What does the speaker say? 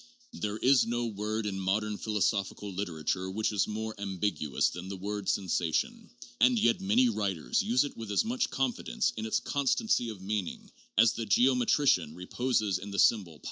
There is no word in modern philosophical literature which is more ambiguous than the word 'sensation,' and yet many writers use it with as much confidence in its constancy of meaning as the geometrician reposes in the symbol w.